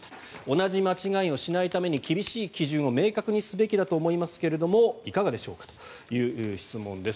同じ間違いをしないために厳しい基準を明確にすべきだと思いますけれどいかがでしょうかという質問です。